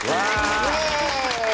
イエーイ！